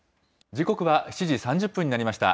時刻は７時３０分になりました。